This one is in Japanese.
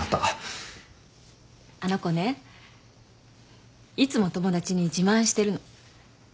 あの子ねいつも友達に自慢してるの。